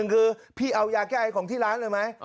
คือพี่เอายาแก้ไอของที่ร้านเลยไหม